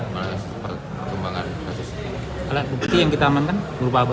bukti yang kita amankan berupa apa